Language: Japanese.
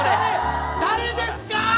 誰ですか。